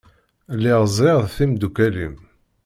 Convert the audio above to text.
Lliɣ ẓriɣ d timdukal-im.